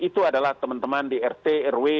itu adalah teman teman di rt rw